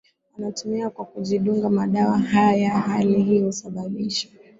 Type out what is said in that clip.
wanatumia kwa kujidunga madawa haya Hali hii husababisha